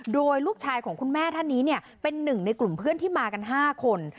โดยลูกชายของคุณแม่ท่านนี้เป็นหนึ่งในกลุ่มเพื่อนที่มากัน๕คน